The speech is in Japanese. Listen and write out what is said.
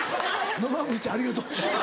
野間口ありがとう。